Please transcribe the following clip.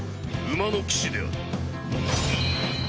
馬の騎士である。